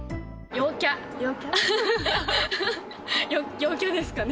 陽キャですかね